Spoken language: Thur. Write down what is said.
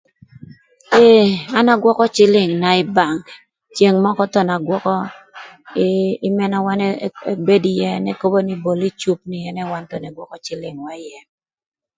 Ee an agwökö cïlïngna ï bank, ceng mökö thon agwökö ï mëna wan ebedo ïë n'ekobo nï bol nï cup ni ënë wan thon ëgwökö cïlïngwa ïë.